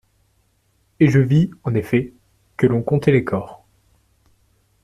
Et je vis, en effet, que l'on comptait les corps.